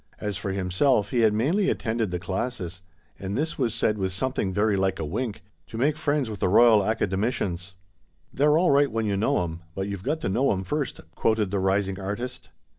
As for himself, he had mainly attended the classes (and this was said with something very like a wink) to make friends with the Koyal Academicians. "They're all right when you know 'em, but you've got to know 'em first," quoted the rising artist.